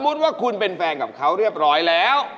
ว่าคุณเป็นแฟนกับเขาเรียบร้อยแล้ว